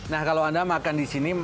nah kalau anda makan di sini